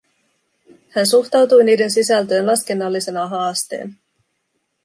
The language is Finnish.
Hän suhtautui niiden sisältöön laskennallisena haasteena.